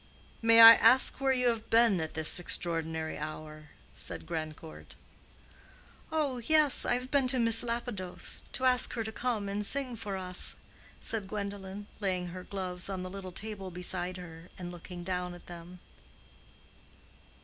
"May I ask where you have been at this extraordinary hour?" said Grandcourt. "Oh, yes; I have been to Miss Lapidoth's, to ask her to come and sing for us," said Gwendolen, laying her gloves on the little table beside her, and looking down at them.